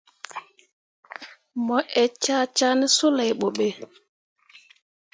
Mu ee cah cah ne suley boɓe.